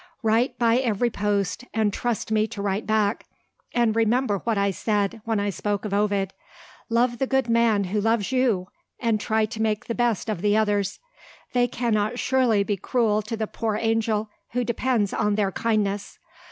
Write by every post, and trust me to write back and remember what I said when I spoke of Ovid. Love the good man who loves you; and try to make the best of the others. They cannot surely be cruel to the poor angel who depends on their kindness.